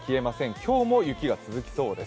今日も雪が続きそうです。